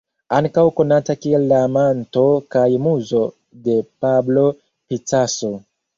Ankaŭ konata kiel la amanto kaj muzo de Pablo Picasso.